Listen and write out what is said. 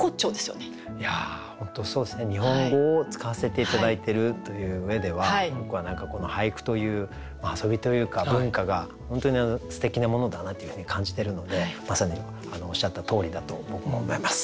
日本語を使わせて頂いてるという上では僕は何かこの俳句という遊びというか文化が本当にすてきなものだなというふうに感じてるのでまさにおっしゃったとおりだと僕も思います